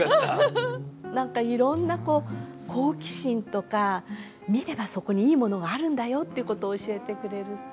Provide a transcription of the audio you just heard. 何かいろんなこう好奇心とか見ればそこにいいものがあるんだよっていうことを教えてくれるっていう。